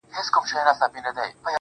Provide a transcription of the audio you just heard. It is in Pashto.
کاينات راڅه هېريږي ورځ تېرېږي.